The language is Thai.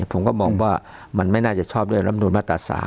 ผมก็มองว่ามันไม่น่าจะชอบด้วยลำนวนมาตรา๓